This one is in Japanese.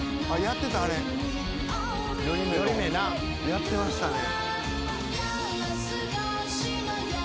やってましたね。